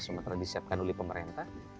semetra disiapkan oleh pemerintah